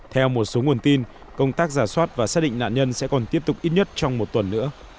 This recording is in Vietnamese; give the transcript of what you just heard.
theo một số nguồn tin công tác giả soát và xác định nạn nhân sẽ còn tiếp tục ít nhất trong một tuần nữa